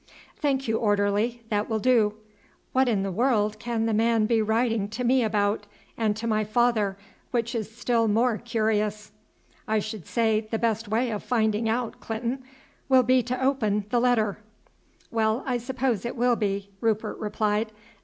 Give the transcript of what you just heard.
"Thank you, orderly, that will do. What in the world can the man be writing to me about, and to my father, which is still more curious?" "I should say the best way of finding out, Clinton, will be to open the letter." "Well, I suppose it will be," Rupert replied.